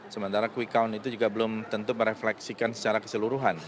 sementara quick count itu juga belum tentu merefleksikan secara keseluruhan